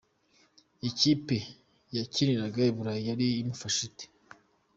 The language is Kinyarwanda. Ikipe yakiniraga i burayi yari imufashe ite?.